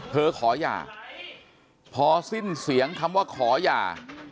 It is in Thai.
ขอหย่าพอสิ้นเสียงคำว่าขอหย่า